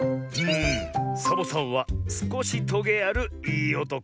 ん「サボさんはすこしトゲあるいいおとこ」。